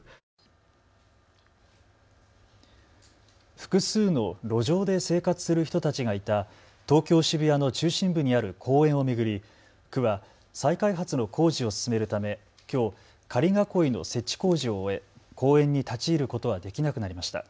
複数の路上で生活する人たちがいた東京渋谷の中心部にある公園を巡り、区は再開発の工事を進めるためきょう仮囲いの設置工事を終え公園に立ち入ることはできなくなりました。